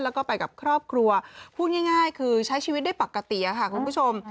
แล้วก็ไปกับครอบครัวพูดง่ายคือใช้ชีวิตได้ปกติค่ะคุณผู้ชม